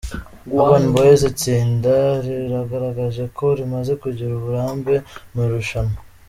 Urban Boyz, itsinda rigaragaje ko rimaze kugira uburambe mu irushanwa.